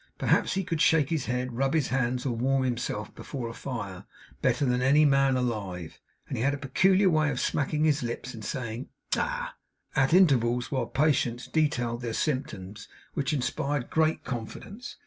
Perhaps he could shake his head, rub his hands, or warm himself before a fire, better than any man alive; and he had a peculiar way of smacking his lips and saying, 'Ah!' at intervals while patients detailed their symptoms, which inspired great confidence.